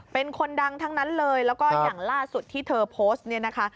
เป็นคนดังทั้งนั้นเลยแล้วก็อย่างล่าสุดที่เธอโพสต์เนี่ยนะคะ